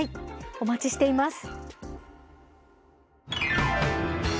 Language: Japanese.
お待ちしています。